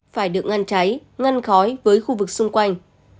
phải được ngăn cháy ngăn khói với khu vực xung quanh